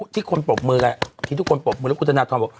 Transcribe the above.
ที่ทุกคนปบมือแล้วคุณธนทรบอก